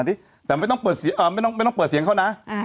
แต่ไม่ต้องเปิดเสียงเขานะ